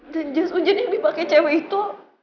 dan jas ujian yang dipake cewek itu